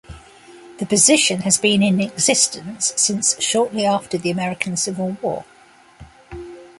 The position has been in existence since shortly after the American Civil War.